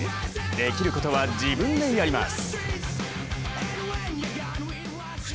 できることは、自分でやります。